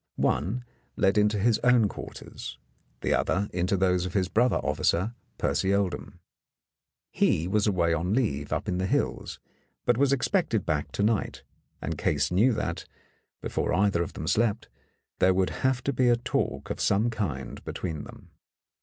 One led into his own quarters, the other into those of his brother officer, Percy Oldham. He was away on leave up in the hills, but was expected back to night, and Case knew that, before either of them slept, there would have to be talk of some kind be tween them.